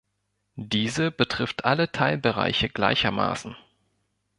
Diese betrifft alle Teilbereiche gleichermaßen.